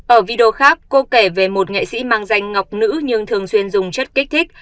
ở video khác cô kể về một nghệ sĩ mang danh ngọc nữ nhưng thường xuyên dùng chất kích thích